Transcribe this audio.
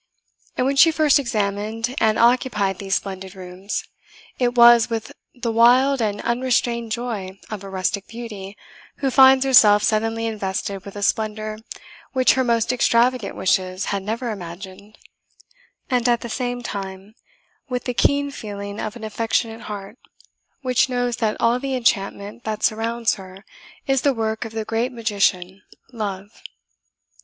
And when she first examined and occupied these splendid rooms, it was with the wild and unrestrained joy of a rustic beauty who finds herself suddenly invested with a splendour which her most extravagant wishes had never imagined, and at the same time with the keen feeling of an affectionate heart, which knows that all the enchantment that surrounds her is the work of the great magician Love.